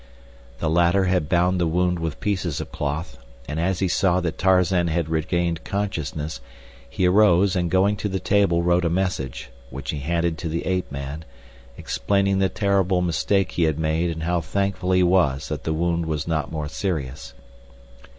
The latter had bound the wound with pieces of cloth, and as he saw that Tarzan had regained consciousness he arose and going to the table wrote a message, which he handed to the ape man, explaining the terrible mistake he had made and how thankful he was that the wound was not more serious.